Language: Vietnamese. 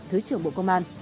thứ trưởng bộ công an